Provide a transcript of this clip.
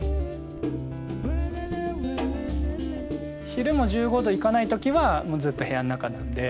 昼も１５℃いかない時はもうずっと部屋の中なんで。